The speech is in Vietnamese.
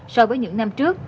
so với những năm trước